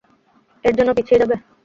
এর জন্য পিছিয়ে যাবে?